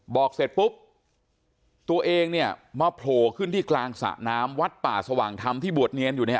บอกเสร็จปุ๊บตัวเองเนี่ยมาโผล่ขึ้นที่กลางสระน้ำวัดป่าสว่างธรรมที่บวชเนียนอยู่เนี่ย